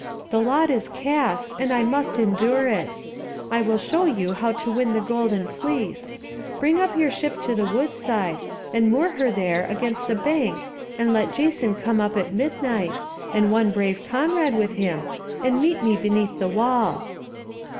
The lot is cast, and I must endure it. I will show you how to win the golden fleece. Bring up your ship to the woodside, and moor her there against the bank and let Jason come up at midnight, and one brave comrade with him, and meet me beneath the wall."